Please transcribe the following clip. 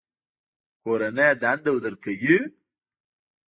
کورنۍ دنده درکوي؟